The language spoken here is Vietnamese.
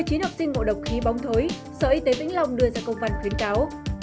một mươi chín học sinh ngộ độc khí bóng thối sở y tế vĩnh long đưa ra công văn khuyến cáo